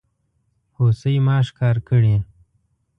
هوسۍ ما ښکار کړي